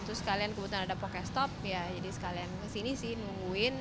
terus sekalian kebetulan ada pokestop ya jadi sekalian kesini sih nungguin